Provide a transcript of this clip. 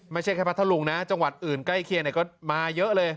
ไม่ใช่แค่พัทธลุงนะจังหวัดอื่นใกล้เคียงก็มาเยอะเลย